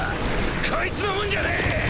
こいつのもんじゃねぇ！